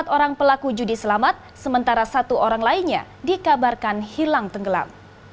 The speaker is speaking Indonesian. empat orang pelaku judi selamat sementara satu orang lainnya dikabarkan hilang tenggelam